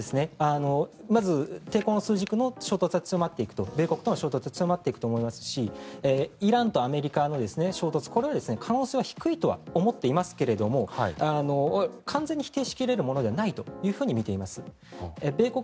まず抵抗の枢軸の米国との衝突は強まっていくと思いますしイランとアメリカの衝突可能性は低いと思っていますが完全に否定しきれるものではないとみています。